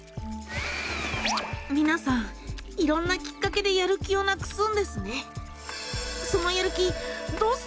みなさんいろんなきっかけでやる気をなくすんですね。